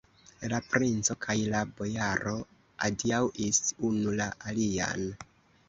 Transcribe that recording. La princo kaj la bojaro adiaŭis unu la alian.